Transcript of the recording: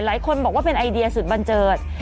หลายคนบอกว่าเป็นไอเดียสุดบันเจิด